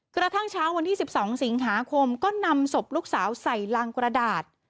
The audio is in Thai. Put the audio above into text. กระทั่งเช้าวันที่๑๒สิงหาคมก็นำศพลูกสาวใส่รังกระดาษ